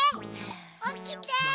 おきて！